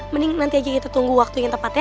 mending nanti aja kita tunggu waktu yang tepat ya